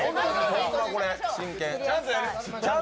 ホンマこれ、真剣。